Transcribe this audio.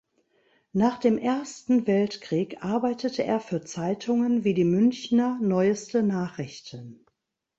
Nach dem Ersten Weltkrieg arbeitete er für Zeitungen wie die Münchner Neueste Nachrichten.